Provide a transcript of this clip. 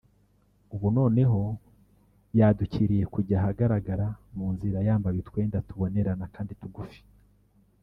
ubu noneho yadukiriye kujya ahagaragara mu nzira yambaye utwenda tubonerana kandi tugufi